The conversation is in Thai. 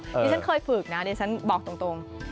นี่ฉันเคยฝึกนะเดี๋ยวฉันบอกตรง